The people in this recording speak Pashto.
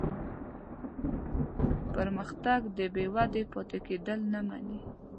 پرمختګ بېودې پاتې کېدل نه مني.